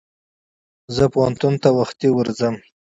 زه پوهنتون ته وختي ورځم.